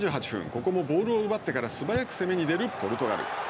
ここもボールを奪ってから素早く攻めに出るポルトガル。